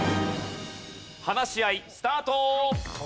話し合いスタート！